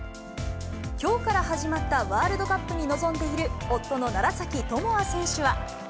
きょうから始まったワールドカップに臨んでいる夫の楢崎智亜選手は。